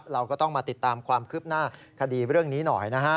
เราก็ต้องมาติดตามความคืบหน้าคดีเรื่องนี้หน่อยนะฮะ